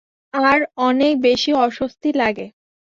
আর অনেক বেশি অস্বস্তি লাগে।